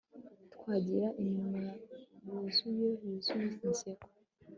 twagira iminwa yuzuye yuzuye inseko